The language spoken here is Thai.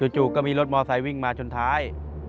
จู่ก็มีรถมอเตอร์ไซต์วิ่งมาจนท้าย